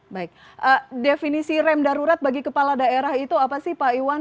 baik definisi rem darurat bagi kepala daerah itu apa sih pak iwan